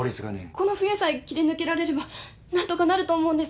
この冬さえ切り抜けられれば何とかなると思うんです。